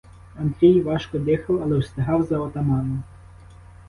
Андрій важко дихав, але встигав за отаманом.